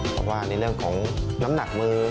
เพราะว่าในเรื่องของน้ำหนักมือ